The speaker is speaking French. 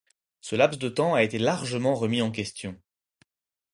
Ce laps de temps a été largement remis en question.